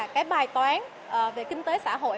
cái bài toán về kinh tế xã hội